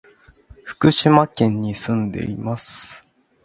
福島県に住んでいます。